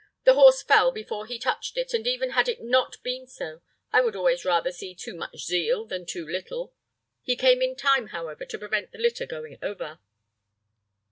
"The horse fell before he touched it; and even had it not been so, I would always rather see too much zeal than too little. He came in time, however, to prevent the litter going over."